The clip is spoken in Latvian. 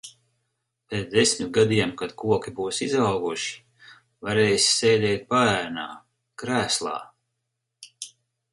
Pēc desmit gadiem kad koki būs izauguši, varēsi sēdēt paēnā, krēslā.